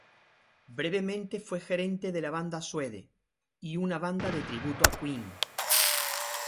Brevemente fue gerente de la banda Suede y una banda de tributo a Queen.